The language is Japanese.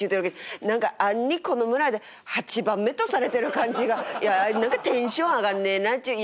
何か暗にこの村で８番目とされてる感じがいや何かテンション上がんねえなっちゅう。